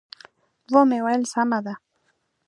و مې ویل: سمه ده.